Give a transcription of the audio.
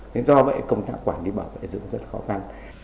nên do vậy công tác quản lý bảo vệ rừng rất là khó khăn